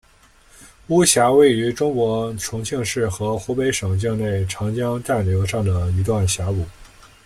巫峡位于中国重庆市和湖北省境内长江干流上的一段峡谷。